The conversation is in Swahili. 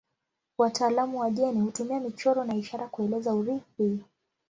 Wataalamu wa jeni hutumia michoro na ishara kueleza urithi.